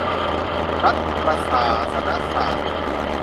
รัฐประศาสนศาสตร์